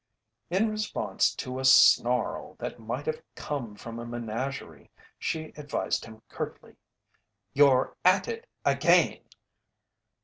In response to a snarl that might have come from a menagerie, she advised him curtly: "You're at it again!"